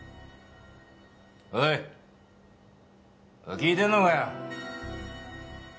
聞いてんのかよ！？